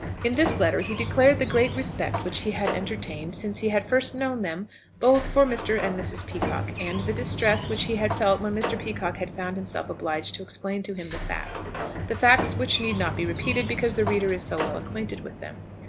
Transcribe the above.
In this letter he declared the great respect which he had entertained, since he had first known them, both for Mr. and Mrs. Peacocke, and the distress which he had felt when Mr. Peacocke had found himself obliged to explain to him the facts, the facts which need not be repeated, because the reader is so well acquainted with them.